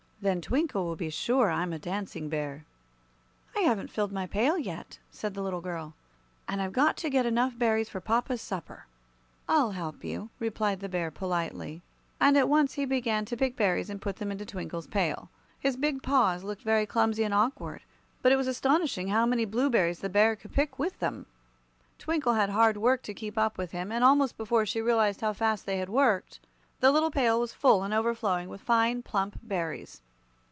Then Twinkle will be sure I'm a Dancing Bear." "I haven't filled my pail yet," said the little girl, "and I've got to get enough berries for papa's supper." "I'll help you," replied the Bear, politely; and at once he began to pick berries and to put them into Twinkle's pail. His big paws looked very clumsy and awkward, but it was astonishing how many blueberries the bear could pick with them. Twinkle had hard work to keep up with him, and almost before she realized how fast they had worked, the little pail was full and overflowing with fine, plump berries.